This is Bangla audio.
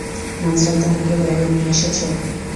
মাঝরাতে আমাকে বাইরে নিয়ে এসেছ।